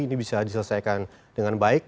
ini bisa diselesaikan dengan baik